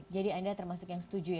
jadi anda termasuk yang setuju ya